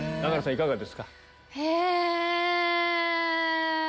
いかがですか？